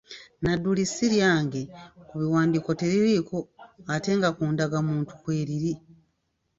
Nadduli siryange ku biwandiiko teririiko ate nga ku ndagamuntu kweriri.